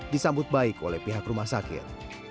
disambut baik oleh pihak rumah sakit